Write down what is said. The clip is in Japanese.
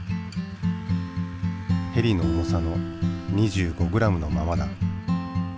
ヘリの重さの２５ｇのままだ。